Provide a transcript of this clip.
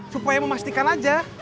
supaya memastikan aja